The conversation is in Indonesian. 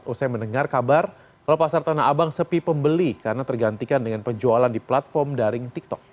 usai mendengar kabar kalau pasar tanah abang sepi pembeli karena tergantikan dengan penjualan di platform daring tiktok